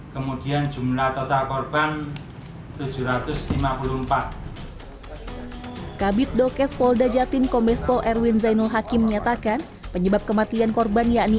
kemudian jumlah total korban tujuh ratus lima puluh empat